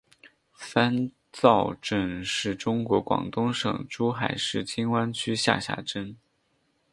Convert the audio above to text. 三灶镇是中国广东省珠海市金湾区下辖镇。